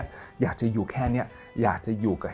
อยากจะอยู่แค่นี้อยากจะอยู่กับ